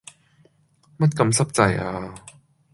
乜咁濕滯呀？